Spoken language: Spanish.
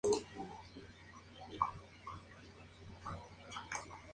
Un cuadro gris es un dispositivo, programa o sistema cuyo funcionamiento se entienden parcialmente.